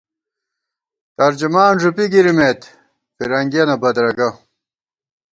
ترجمان ݫُپی گِرِمېت ، فېرنگیَنہ بدرَگہ